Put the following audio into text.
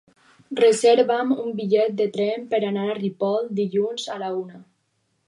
Reserva'm un bitllet de tren per anar a Ripoll dilluns a la una.